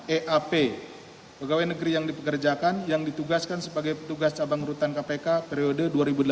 eap pegawai negeri yang dipekerjakan yang ditugaskan sebagai petugas cabang rutan kpk periode dua ribu delapan belas dua ribu dua